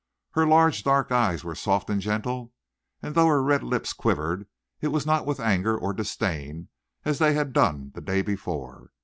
Her large dark eyes were soft and gentle, and though her red lips quivered, it was not with anger or disdain as they had done the day before.